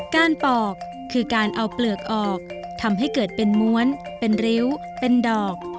ปอกคือการเอาเปลือกออกทำให้เกิดเป็นม้วนเป็นริ้วเป็นดอก